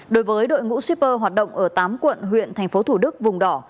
đối với đội ngũ shipper hoạt động ở tám quận huyện tp thủ đức vùng đỏ